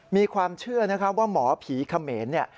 มีความเชื่อนะครับว่าหมอผีเขมรเนี่ย